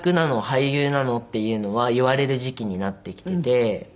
俳優なの？っていうのは言われる時期になってきていて。